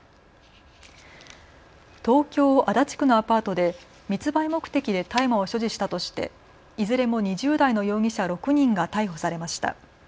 東京足立区のアパートで密売目的で大麻を所持したとしていずれも２０代の容疑者６人が逮捕されました。